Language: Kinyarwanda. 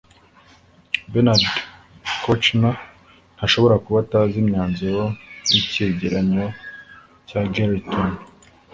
bernard kouchner ntashobora kuba atazi imyanzuro y'icyegeranyo cya garreton